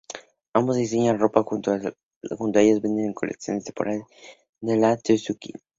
Ambos diseñan ropa juntos y la venden en colecciones temporales, como la de Tsuki.